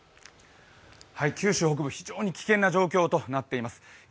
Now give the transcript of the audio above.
九州北部、非常に危険な状況となっています。